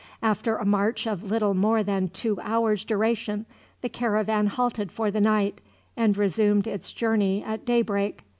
After a march of little more than two hours' duration, the caravan halted for the night, and resumed its journey at daybreak.